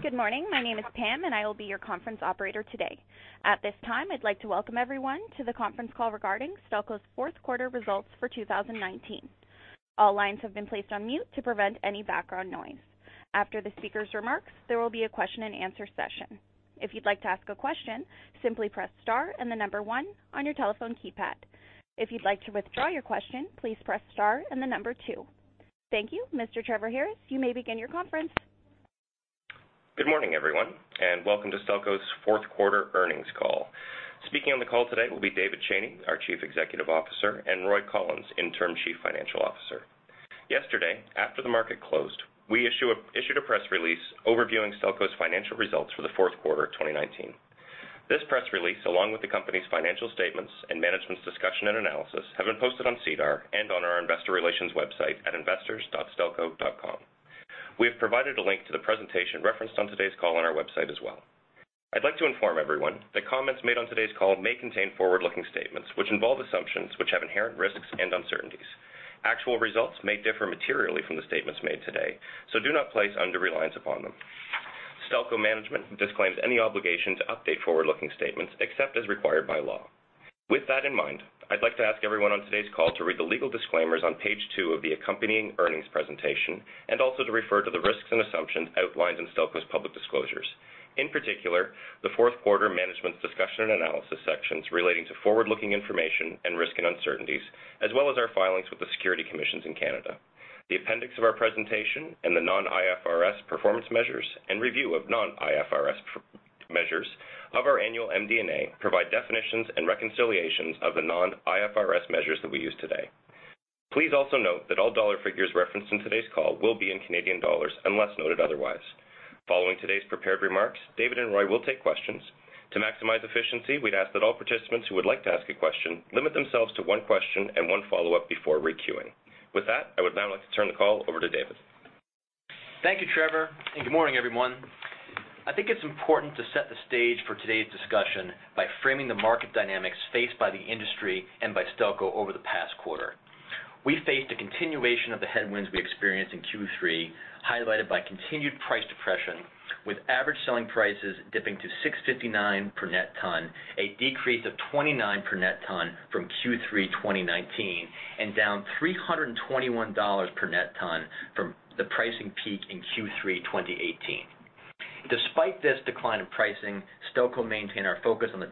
Good morning. My name is Pam, and I will be your conference operator today. At this time, I'd like to welcome everyone to the conference call regarding Stelco's Fourth Quarter Results for 2019. All lines have been placed on mute to prevent any background noise. After the speaker's remarks, there will be a question and answer session. If you'd like to ask a question, simply press star and the number one on your telephone keypad. If you'd like to withdraw your question, please press star and the number two. Thank you. Mr. Trevor Harris, you may begin your conference. Good morning, everyone, and welcome to Stelco's fourth quarter earnings call. Speaking on the call today will be David Cheney, our Chief Executive Officer, and Roy Collins, Interim Chief Financial Officer. Yesterday, after the market closed, we issued a press release overviewing Stelco's financial results for the fourth quarter of 2019. This press release, along with the company's financial statements and management's discussion and analysis, have been posted on SEDAR and on our investor relations website at investors.stelco.com. We have provided a link to the presentation referenced on today's call on our website as well. I'd like to inform everyone that comments made on today's call may contain forward-looking statements, which involve assumptions which have inherent risks and uncertainties. Actual results may differ materially from the statements made today, so do not place undue reliance upon them. Stelco management disclaims any obligation to update forward-looking statements except as required by law. With that in mind, I'd like to ask everyone on today's call to read the legal disclaimers on page two of the accompanying earnings presentation and also to refer to the risks and assumptions outlined in Stelco's public disclosures. In particular, the fourth quarter management's discussion and analysis sections relating to forward-looking information and risks and uncertainties, as well as our filings with the security commissions in Canada. The appendix of our presentation and the non-IFRS performance measures and review of non-IFRS measures of our annual MD&A provide definitions and reconciliations of the non-IFRS measures that we use today. Please also note that all dollar figures referenced in today's call will be in Canadian dollars, unless noted otherwise. Following today's prepared remarks, David and Roy will take questions. To maximize efficiency, we'd ask that all participants who would like to ask a question limit themselves to one question and one follow-up before re-queuing. With that, I would now like to turn the call over to David. Thank you, Trevor, and good morning, everyone. I think it's important to set the stage for today's discussion by framing the market dynamics faced by the industry and by Stelco over the past quarter. We faced a continuation of the headwinds we experienced in Q3, highlighted by continued price depression, with average selling prices dipping to 659 per net ton, a decrease of 29 per net ton from Q3 2019, and down 321 dollars per net ton from the pricing peak in Q3 2018. Despite this decline in pricing, Stelco maintained our focus on the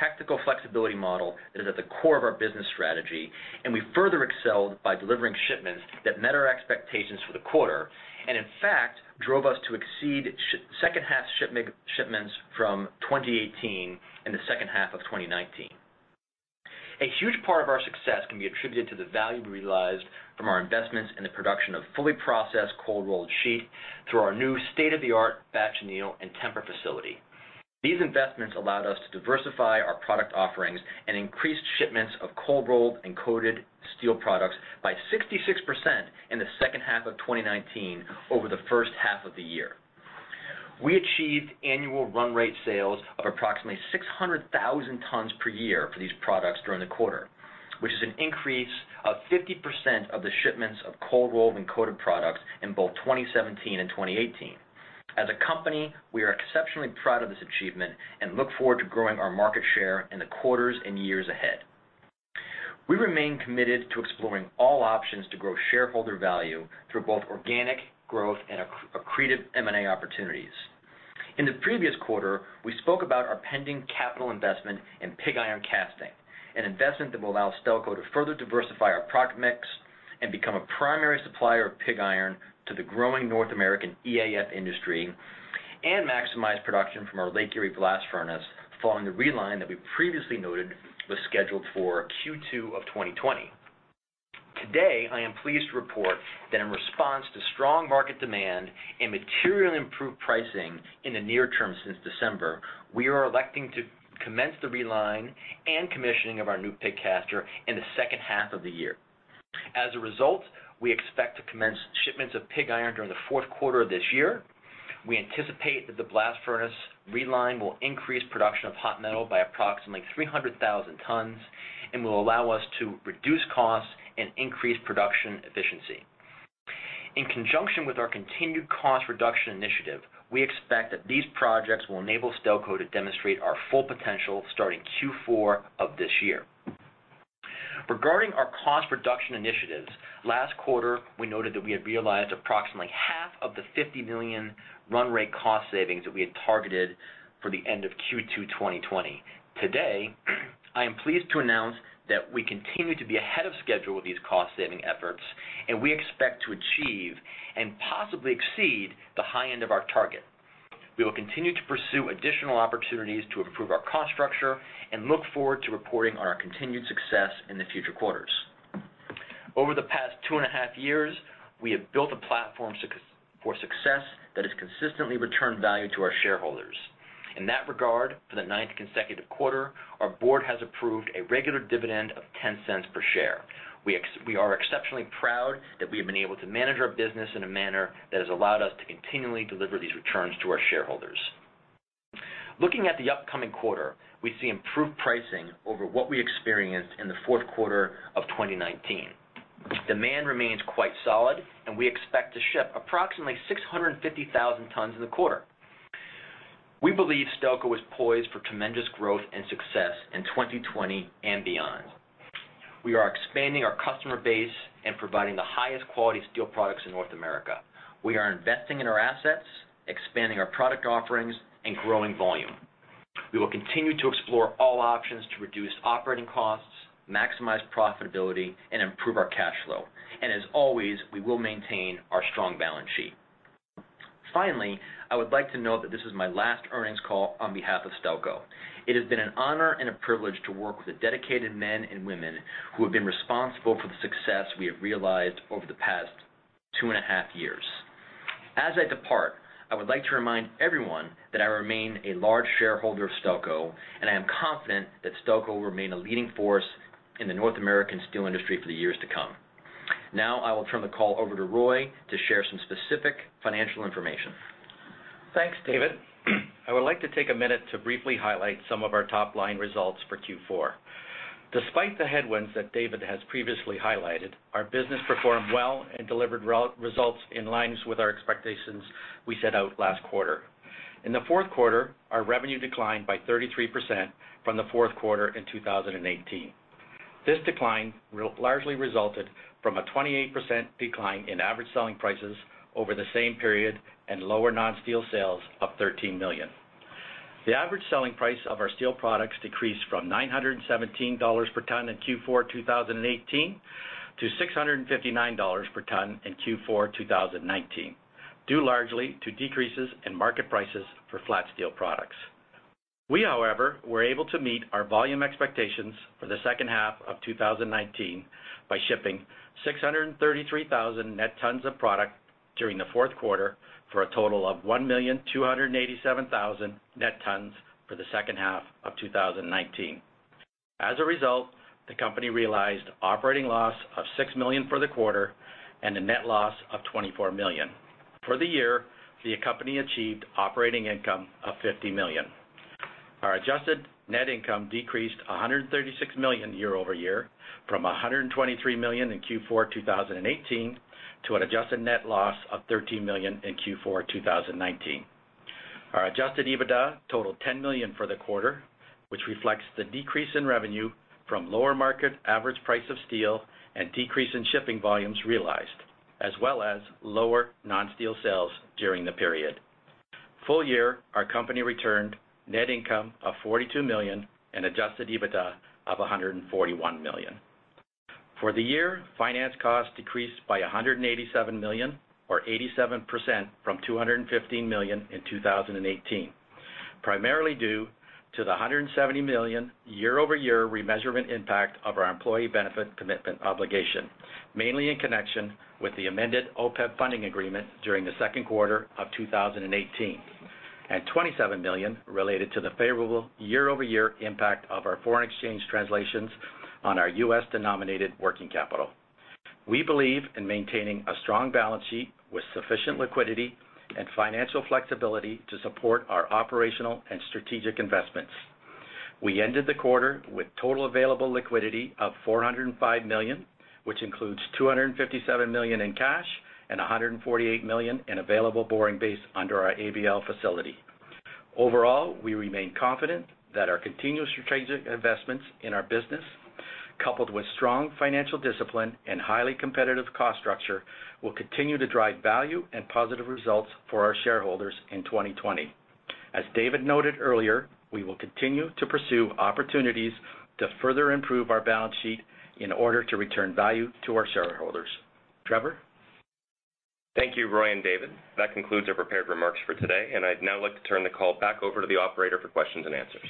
tactical flexibility model that is at the core of our business strategy, and we further excelled by delivering shipments that met our expectations for the quarter, and in fact, drove us to exceed second half shipments from 2018 and the second half of 2019. A huge part of our success can be attributed to the value we realized from our investments in the production of fully processed cold rolled sheet through our new state-of-the-art batch anneal and temper facility. These investments allowed us to diversify our product offerings and increase shipments of cold rolled and coated steel products by 66% in the second half of 2019 over the first half of the year. We achieved annual run rate sales of approximately 600,000 tons per year for these products during the quarter, which is an increase of 50% of the shipments of cold rolled and coated products in both 2017 and 2018. As a company, we are exceptionally proud of this achievement and look forward to growing our market share in the quarters and years ahead. We remain committed to exploring all options to grow shareholder value through both organic growth and accretive M&A opportunities. In the previous quarter, we spoke about our pending capital investment in pig iron casting, an investment that will allow Stelco to further diversify our product mix and become a primary supplier of pig iron to the growing North American EAF industry and maximize production from our Lake Erie blast furnace following the reline that we previously noted was scheduled for Q2 of 2020. Today, I am pleased to report that in response to strong market demand and materially improved pricing in the near term since December, we are electing to commence the reline and commissioning of our new pig caster in the second half of the year. As a result, we expect to commence shipments of pig iron during the fourth quarter of this year. We anticipate that the blast furnace reline will increase production of hot metal by approximately 300,000 tons and will allow us to reduce costs and increase production efficiency. In conjunction with our continued cost reduction initiative, we expect that these projects will enable Stelco to demonstrate our full potential starting Q4 of this year. Regarding our cost reduction initiatives, last quarter, we noted that we had realized approximately half of the 50 million run rate cost savings that we had targeted for the end of Q2 2020. Today, I am pleased to announce that we continue to be ahead of schedule with these cost-saving efforts, and we expect to achieve and possibly exceed the high end of our target. We will continue to pursue additional opportunities to improve our cost structure and look forward to reporting on our continued success in the future quarters. Over the past two and a half years, we have built a platform for success that has consistently returned value to our shareholders. In that regard, for the 9th consecutive quarter, our board has approved a regular dividend of 0.10 per share. We are exceptionally proud that we have been able to manage our business in a manner that has allowed us to continually deliver these returns to our shareholders. Looking at the upcoming quarter, we see improved pricing over what we experienced in the fourth quarter of 2019. Demand remains quite solid, we expect to ship approximately 650,000 tons in the quarter. We believe Stelco is poised for tremendous growth and success in 2020 and beyond. We are expanding our customer base and providing the highest quality steel products in North America. We are investing in our assets, expanding our product offerings, and growing volume. We will continue to explore all options to reduce operating costs, maximize profitability, and improve our cash flow. As always, we will maintain our strong balance sheet. Finally, I would like to note that this is my last earnings call on behalf of Stelco. It has been an honor and a privilege to work with the dedicated men and women who have been responsible for the success we have realized over the past two and a half years. As I depart, I would like to remind everyone that I remain a large shareholder of Stelco, and I am confident that Stelco will remain a leading force in the North American steel industry for the years to come. I will turn the call over to Roy to share some specific financial information. Thanks, David. I would like to take a minute to briefly highlight some of our top-line results for Q4. Despite the headwinds that David has previously highlighted, our business performed well and delivered results in line with our expectations we set out last quarter. In the fourth quarter, our revenue declined by 33% from the fourth quarter in 2018. This decline largely resulted from a 28% decline in average selling prices over the same period and lower non-steel sales of 13 million. The average selling price of our steel products decreased from 917 dollars per ton in Q4 2018 to 659 dollars per ton in Q4 2019, due largely to decreases in market prices for flat steel products. We, however, were able to meet our volume expectations for the second half of 2019 by shipping 633,000 net tons of product during the fourth quarter for a total of 1,287,000 net tons for the second half of 2019. As a result, the company realized operating loss of 6 million for the quarter and a net loss of 24 million. For the year, the company achieved operating income of 50 million. Our adjusted net income decreased 136 million year-over-year from 123 million in Q4 2018 to an adjusted net loss of 13 million in Q4 2019. Our adjusted EBITDA totaled 10 million for the quarter, which reflects the decrease in revenue from lower market average price of steel and decrease in shipping volumes realized, as well as lower non-steel sales during the period. Full year, our company returned net income of 42 million and adjusted EBITDA of 141 million. For the year, finance costs decreased by 187 million or 87% from 215 million in 2018, primarily due to the 170 million year-over-year remeasurement impact of our employee benefit commitment obligation, mainly in connection with the amended OPEB funding agreement during the second quarter of 2018, and 27 million related to the favorable year-over-year impact of our foreign exchange translations on our US-denominated working capital. We believe in maintaining a strong balance sheet with sufficient liquidity and financial flexibility to support our operational and strategic investments. We ended the quarter with total available liquidity of 405 million, which includes 257 million in cash and 148 million in available borrowing base under our ABL facility. Overall, we remain confident that our continuous strategic investments in our business, coupled with strong financial discipline and highly competitive cost structure, will continue to drive value and positive results for our shareholders in 2020. As David noted earlier, we will continue to pursue opportunities to further improve our balance sheet in order to return value to our shareholders. Trevor? Thank you, Roy and David. That concludes our prepared remarks for today, and I'd now like to turn the call back over to the operator for questions and answers.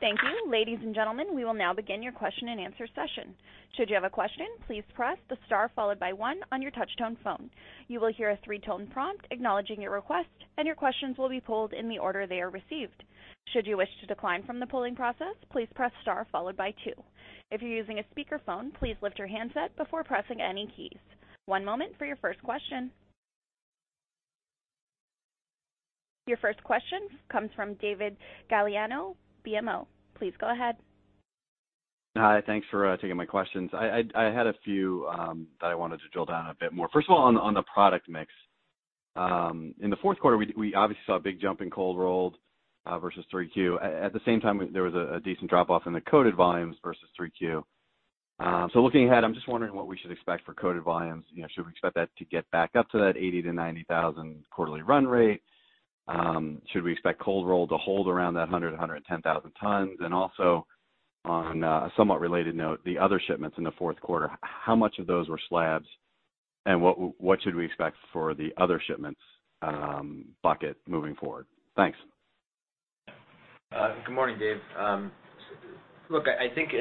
Thank you. Ladies and gentlemen, we will now begin your question and answer session. Should you have a question, please press the star followed by one on your touch-tone phone. You will hear a three-tone prompt acknowledging your request, and your questions will be pooled in the order they are received. Should you wish to decline from the pooling process, please press star followed by two. If you're using a speakerphone, please lift your handset before pressing any keys. One moment for your first question. Your first question comes from David Gagliano, BMO. Please go ahead. Hi, thanks for taking my questions. I had a few that I wanted to drill down a bit more. First of all, on the product mix. In the fourth quarter, we obviously saw a big jump in cold rolled versus 3Q. At the same time, there was a decent drop off in the coated volumes versus 3Q. Looking ahead, I'm just wondering what we should expect for coated volumes. Should we expect that to get back up to that 80,000-90,000 quarterly run rate? Should we expect cold roll to hold around that 100,000-110,000 tons? Also, on a somewhat related note, the other shipments in the fourth quarter, how much of those were slabs, and what should we expect for the other shipments bucket moving forward? Thanks. Good morning, David. Look, I think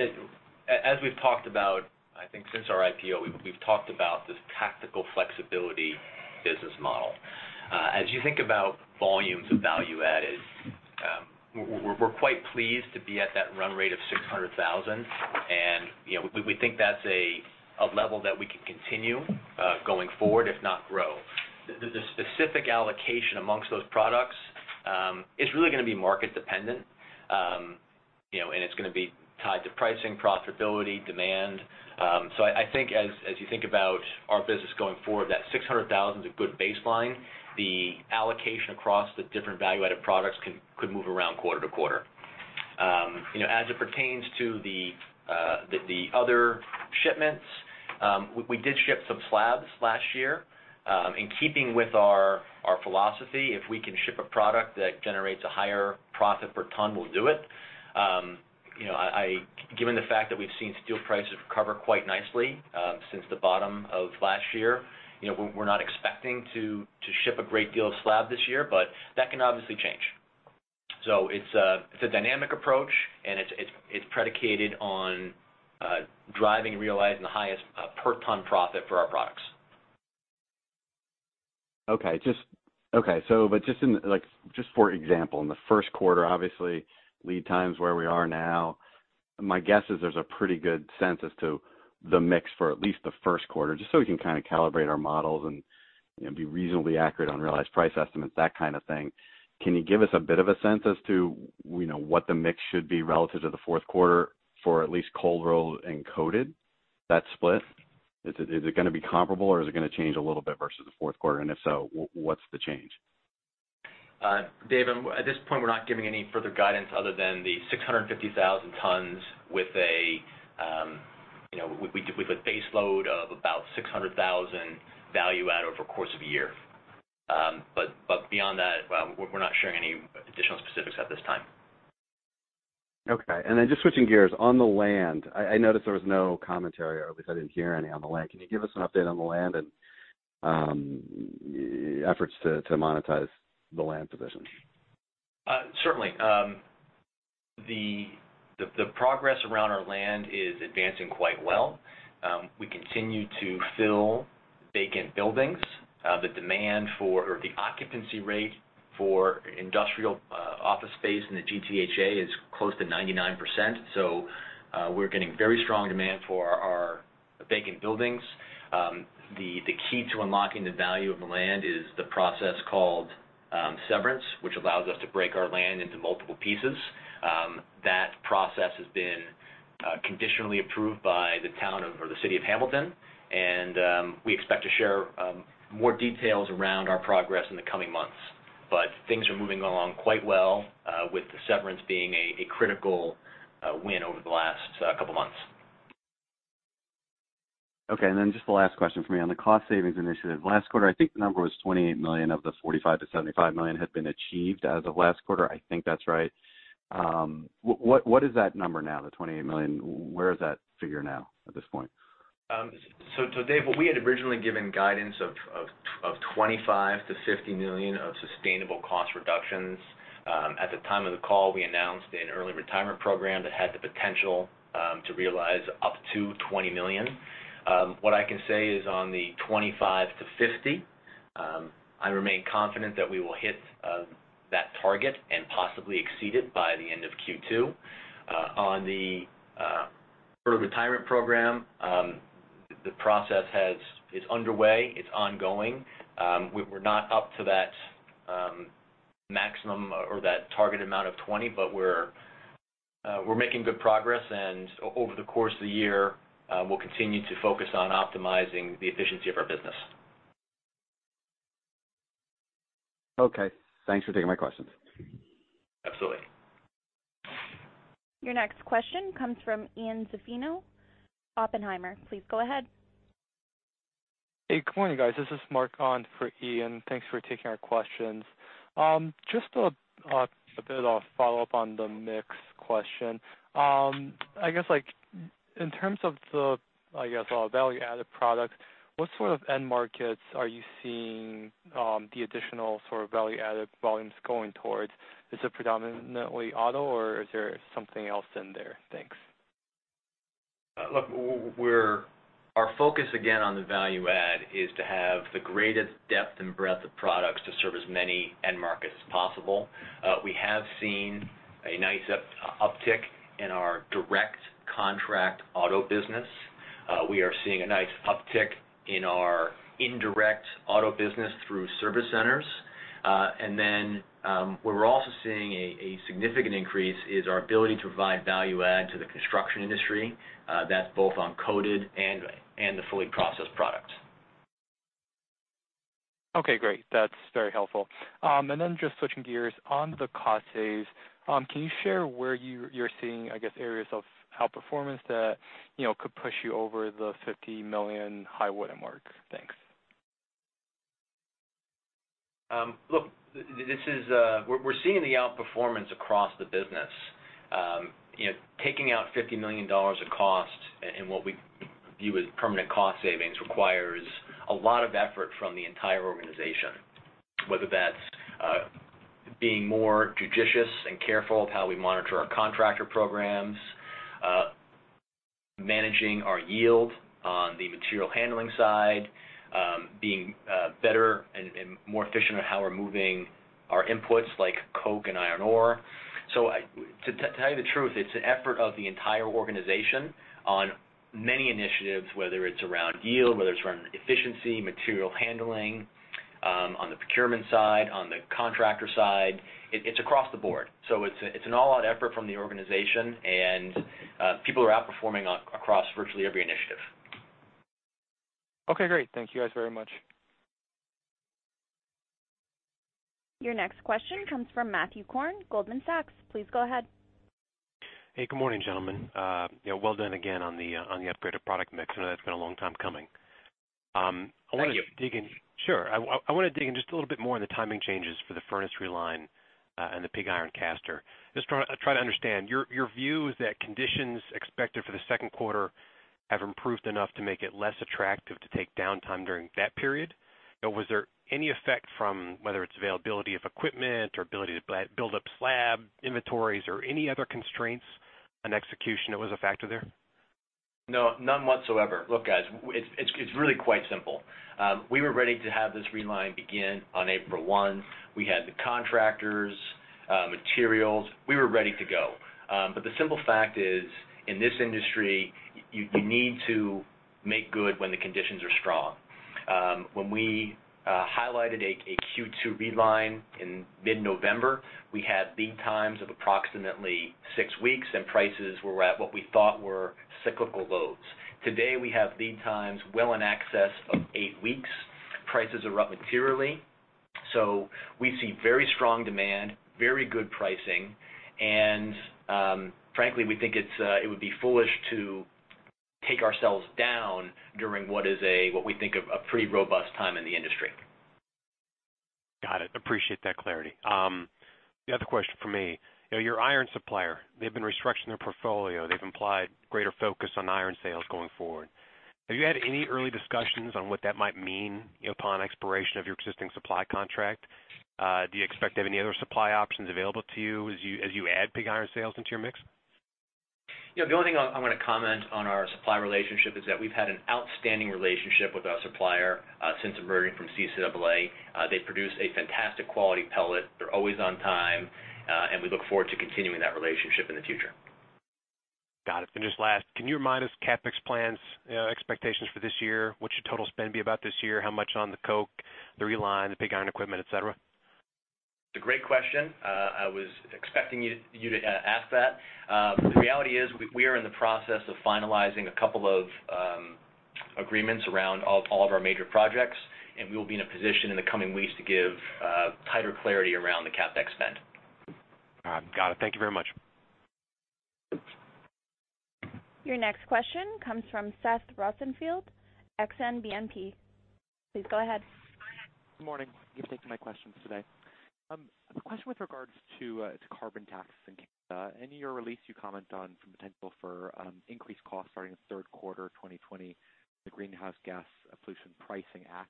as we've talked about, I think since our IPO, we've talked about this tactical flexibility business model. As you think about volumes of value added, we're quite pleased to be at that run rate of 600,000. We think that's a level that we can continue going forward, if not grow. The specific allocation amongst those products is really going to be market-dependent. It's going to be tied to pricing, profitability, demand. I think as you think about our business going forward, that 600,000 is a good baseline. The allocation across the different value-added products could move around quarter to quarter. As it pertains to the other shipments, we did ship some slabs last year. In keeping with our philosophy, if we can ship a product that generates a higher profit per ton, we'll do it. Given the fact that we've seen steel prices recover quite nicely since the bottom of last year, we're not expecting to ship a great deal of slab this year, but that can obviously change. It's a dynamic approach, and it's predicated on driving and realizing the highest per-ton profit for our products. Okay. Just for example, in the first quarter, obviously lead times where we are now, my guess is there's a pretty good sense as to the mix for at least the first quarter, just so we can kind of calibrate our models and be reasonably accurate on realized price estimates, that kind of thing. Can you give us a bit of a sense as to what the mix should be relative to the fourth quarter for at least cold rolled and coated, that split? Is it going to be comparable, or is it going to change a little bit versus the fourth quarter? If so, what's the change? Dave, at this point, we're not giving any further guidance other than the 650,000 tons with a base load of about 600,000 value add over the course of a year. Beyond that, we're not sharing any additional specifics at this time. Okay. Just switching gears. On the land, I noticed there was no commentary, or at least I didn't hear any on the land. Can you give us an update on the land and efforts to monetize the land positions? Certainly. The progress around our land is advancing quite well. We continue to fill vacant buildings. The occupancy rate for industrial office space in the GTHA is close to 99%, so we're getting very strong demand for our vacant buildings. The key to unlocking the value of the land is the process called severance, which allows us to break our land into multiple pieces. That process has been conditionally approved by the city of Hamilton, and we expect to share more details around our progress in the coming months. Things are moving along quite well, with the severance being a critical win over the last couple of months. Okay, just the last question from me. On the cost savings initiative, last quarter, I think the number was 28 million of the 45 million-75 million had been achieved as of last quarter. I think that's right. What is that number now, the 28 million? Where is that figure now at this point? Dave, we had originally given guidance of 25 million-50 million of sustainable cost reductions. At the time of the call, we announced an early retirement program that had the potential to realize up to 20 million. What I can say is on the 25 million-50 million, I remain confident that we will hit that target and possibly exceed it by the end of Q2. On the early retirement program, the process is underway. It's ongoing. We're not up to that maximum or that target amount of 20 million, but we're making good progress, and over the course of the year, we'll continue to focus on optimizing the efficiency of our business. Okay. Thanks for taking my questions. Absolutely. Your next question comes from Ian Zaffino, Oppenheimer. Please go ahead. Hey, good morning, guys. This is Mark on for Ian. Thanks for taking our questions. Just a bit of follow-up on the mix question. I guess, in terms of the value-added products, what sort of end markets are you seeing the additional value-added volumes going towards? Is it predominantly auto, or is there something else in there? Thanks. Look, our focus again on the value add is to have the greatest depth and breadth of products to serve as many end markets as possible. We have seen a nice uptick in our direct contract auto business. We are seeing a nice uptick in our indirect auto business through service centers. Where we're also seeing a significant increase is our ability to provide value add to the construction industry. That's both on coated and the fully processed product. Okay, great. That's very helpful. Just switching gears. On the cost saves, can you share where you're seeing areas of outperformance that could push you over the 50 million high watermark? Thanks. Look, we're seeing the outperformance across the business. Taking out 50 million dollars of cost in what we view as permanent cost savings requires a lot of effort from the entire organization, whether that's being more judicious and careful of how we monitor our contractor programs. Managing our yield on the material handling side, being better and more efficient on how we're moving our inputs like coke and iron ore. To tell you the truth, it's an effort of the entire organization on many initiatives, whether it's around yield, whether it's around efficiency, material handling, on the procurement side, on the contractor side, it's across the board. It's an all-out effort from the organization and people are outperforming across virtually every initiative. Okay, great. Thank you guys very much. Your next question comes from Matthew Korn, Goldman Sachs. Please go ahead. Hey, good morning, gentlemen. Well done again on the upgraded product mix. I know that's been a long time coming. Thank you. Sure. I want to dig in just a little bit more on the timing changes for the furnace reline and the pig iron caster. Just trying to understand. Your view is that conditions expected for the second quarter have improved enough to make it less attractive to take downtime during that period? Was there any effect from, whether it's availability of equipment or ability to build up slab inventories or any other constraints on execution that was a factor there? No, none whatsoever. Look, guys, it's really quite simple. We were ready to have this reline begin on April 1. We had the contractors, materials. We were ready to go. The simple fact is, in this industry, you need to make good when the conditions are strong. When we highlighted a Q2 reline in mid-November, we had lead times of approximately six weeks, and prices were at what we thought were cyclical lows. Today, we have lead times well in excess of eight weeks. Prices are up materially. We see very strong demand, very good pricing, and frankly, we think it would be foolish to take ourselves down during what we think of a pretty robust time in the industry. Got it. Appreciate that clarity. The other question from me. Your iron supplier, they've been restructuring their portfolio. They've implied greater focus on iron sales going forward. Have you had any early discussions on what that might mean upon expiration of your existing supply contract? Do you expect to have any other supply options available to you as you add pig iron sales into your mix? The only thing I'm going to comment on our supply relationship is that we've had an outstanding relationship with our supplier since emerging from CCAA. They produce a fantastic quality pellet. They're always on time, and we look forward to continuing that relationship in the future. Got it. Just last, can you remind us CapEx plans, expectations for this year? What's your total spend be about this year? How much on the coke, the reline, the pig iron equipment, et cetera? It's a great question. I was expecting you to ask that. The reality is, we are in the process of finalizing a couple of agreements around all of our major projects, and we will be in a position in the coming weeks to give tighter clarity around the CapEx spend. All right. Got it. Thank you very much. Your next question comes from Seth Rosenfeld, Exane BNP. Please go ahead. Good morning. Thanks for taking my questions today. I have a question with regards to carbon taxes in Canada. In your release, you comment on some potential for increased costs starting in the third quarter 2020, the Greenhouse Gas Pollution Pricing Act.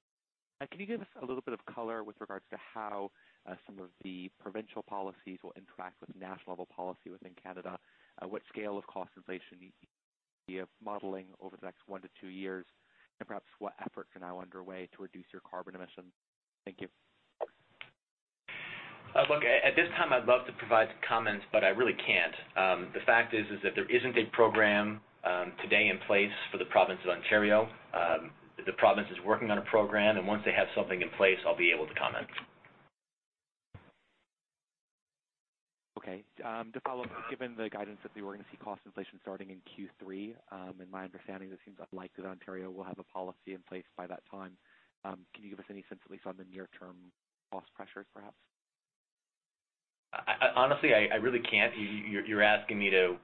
Can you give us a little bit of color with regards to how some of the provincial policies will interact with national-level policy within Canada? What scale of cost inflation be modeling over the next one to two years, and perhaps what efforts are now underway to reduce your carbon emissions? Thank you. Look, at this time, I'd love to provide some comments, but I really can't. The fact is that there isn't a program today in place for the province of Ontario. The province is working on a program, and once they have something in place, I'll be able to comment. To follow up, given the guidance that we were going to see cost inflation starting in Q3, in my understanding, it seems unlikely that Ontario will have a policy in place by that time. Can you give us any sense at least on the near-term cost pressures, perhaps? Honestly, I really can't. You're asking me to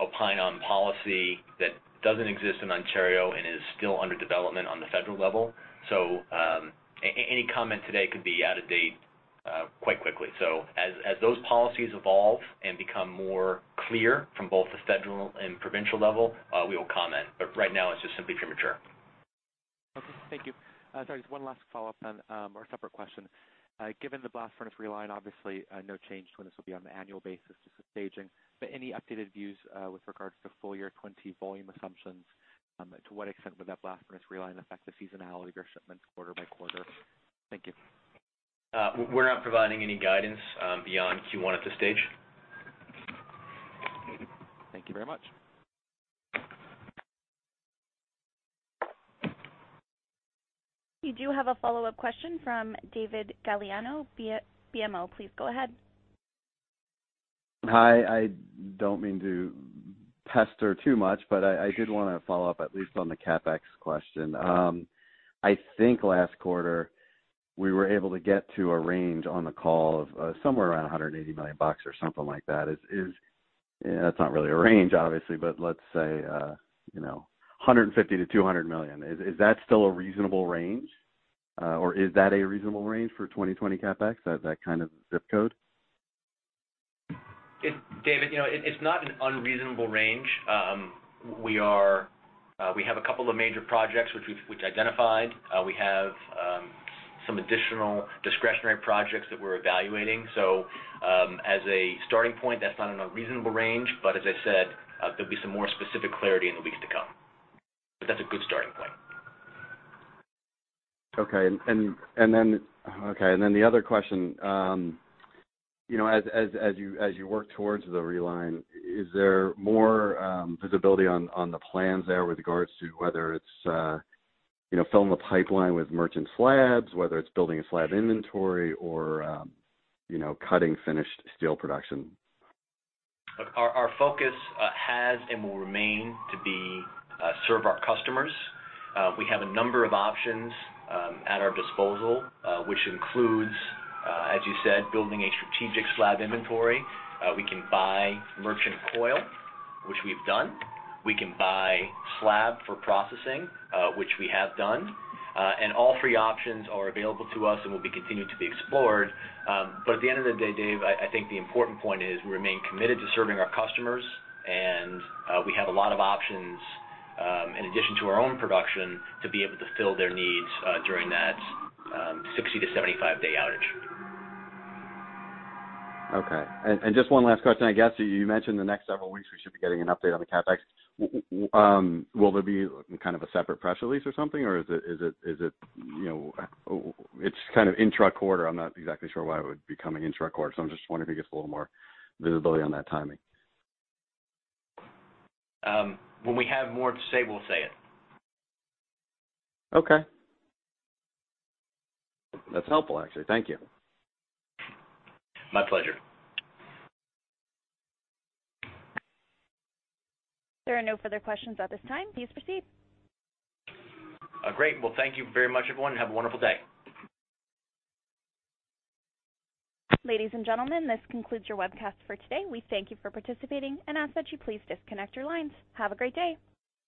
opine on policy that doesn't exist in Ontario and is still under development on the federal level. Any comment today could be out of date quite quickly. As those policies evolve and become more clear from both the federal and provincial level, we will comment. Right now, it's just simply premature. Okay. Thank you. Sorry, just one last follow-up then or a separate question. Given the blast furnace reline, obviously no change to when this will be on the annual basis, just the staging. Any updated views with regards to full-year 2020 volume assumptions? To what extent would that blast furnace reline affect the seasonality of your shipments quarter by quarter? Thank you. We're not providing any guidance beyond Q1 at this stage. Thank you very much. You do have a follow-up question from David Gagliano, BMO. Please go ahead. Hi. I don't mean to pester too much, but I did want to follow up at least on the CapEx question. I think last quarter we were able to get to a range on the call of somewhere around 180 million bucks or something like that. That's not really a range, obviously, but let's say, 150 million-200 million. Is that still a reasonable range? Is that a reasonable range for 2020 CapEx, that kind of zip code? David, it's not an unreasonable range. A couple of major projects which we've identified. We have some additional discretionary projects that we're evaluating. As a starting point, that's not in a reasonable range, but as I said, there'll be some more specific clarity in the weeks to come. That's a good starting point. Okay. The other question, as you work towards the reline, is there more visibility on the plans there with regards to whether it's filling the pipeline with merchant slabs, whether it's building a slab inventory or cutting finished steel production? Look, our focus has and will remain to be serve our customers. We have a number of options at our disposal, which includes, as you said, building a strategic slab inventory. We can buy merchant coil, which we've done. We can buy slab for processing, which we have done. All three options are available to us and will be continued to be explored. At the end of the day, Dave, I think the important point is we remain committed to serving our customers, and we have a lot of options, in addition to our own production, to be able to fill their needs during that 60-75-day outage. Okay. Just one last question, I guess. You mentioned the next several weeks, we should be getting an update on the CapEx. Will there be kind of a separate press release or something? It's kind of intra-quarter. I'm not exactly sure why it would be coming intra-quarter. I'm just wondering if you could give us a little more visibility on that timing. When we have more to say, we'll say it. Okay. That's helpful, actually. Thank you. My pleasure. There are no further questions at this time. Please proceed. Great. Well, thank you very much, everyone. Have a wonderful day. Ladies and gentlemen, this concludes your webcast for today. We thank you for participating and ask that you please disconnect your lines. Have a great day.